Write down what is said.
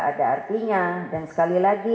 ada artinya dan sekali lagi